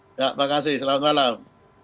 ya terima kasih selamat malam